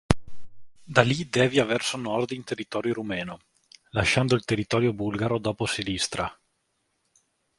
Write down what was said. Da lì devia verso nord in territorio rumeno, lasciando il territorio bulgaro dopo Silistra.